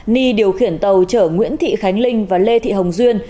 ni điều khiển tàu chở nguyễn thị khánh linh và lê thị hồng duyên